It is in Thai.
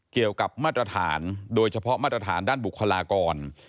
เกี่ยวกับมาตรฐานโดยเฉพาะมาตรฐานด้านบุคลากร